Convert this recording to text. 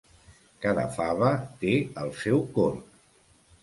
Cada fava té el seu corc.